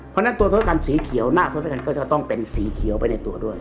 เพราะฉะนั้นตัวเขากันสีเขียวหน้าทศด้วยกันก็จะต้องเป็นสีเขียวไปในตัวด้วย